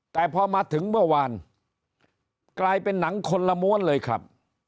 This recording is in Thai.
แต่พอมาถึงเมื่อวานกลายเป็นหนังคนละม้วนเลยครับ